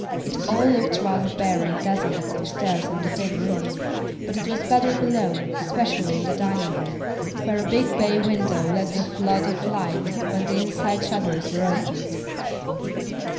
It all looked rather bare and desolate upstairs in the dim rooms, but it was better below, especially in the dining room, where a big bay window let in a flood of light when the inside shutters were opened.